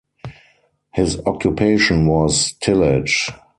His occupation was tillage.